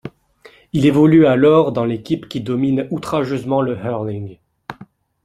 Il évolue alors dans l’équipe qui domine outrageusement le hurling.